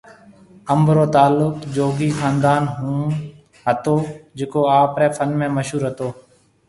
انب رو تعلق جوگي خاندان ھونھتو جڪو آپري فن ۾ مشھور ھتو